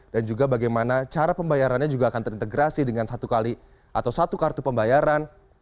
dan juga bagaimana cara pembayarannya juga akan terintegrasi dengan satu kali atau satu kartu pembayaran